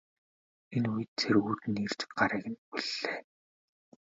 Энэ үед цэргүүд нь ирж гарыг нь хүллээ.